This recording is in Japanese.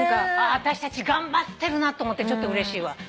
私たち頑張ってるなと思ってちょっとうれしいわ。